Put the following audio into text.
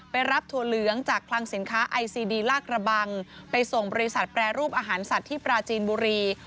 รับถั่วเหลืองจากคลังสินค้าไอซีดีลากระบังไปส่งบริษัทแปรรูปอาหารสัตว์ที่ปราจีนบุรี